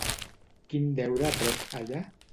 Quin deure rep, allà?